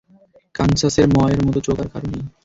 কানসাসের ম এর মতো চোখ আর কারো নেই।